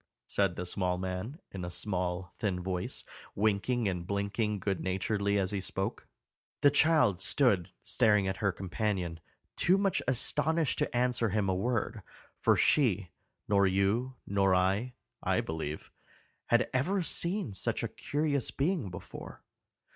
said the small man, in a small thin voice, winking and blinking good naturedly as he spoke. The child stood staring at her companion, too much astonished to answer him a word, for she, nor you, nor I, I believe, had ever seen such a curious being before.